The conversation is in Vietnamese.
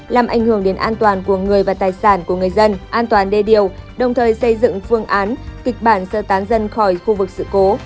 làm ảnh hưởng đến an toàn của người và tài sản của người dân an toàn đê điều đồng thời xây dựng phương án kịch bản sơ tán dân khỏi khu vực sự cố